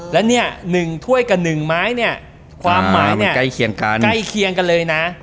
แล้วเนี่ยหนึ่งถ้วยกับหนึ่งไม้เนี่ยความหมายเนี่ยใกล้เคียงกันเลยนะ